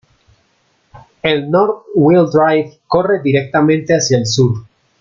El North Hill Drive corre directamente hacia el sur.